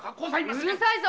うるさいぞ！